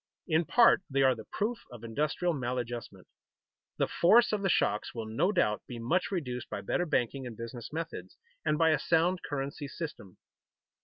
In part they are the proof of industrial maladjustment. The force of the shocks will no doubt be much reduced by better banking and business methods, and by a sound currency system.